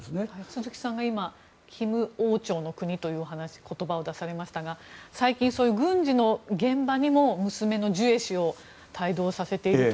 鈴木さんが今金王朝の国という言葉を出されましたが最近、軍事の現場にも娘のジュエ氏を帯同させていると。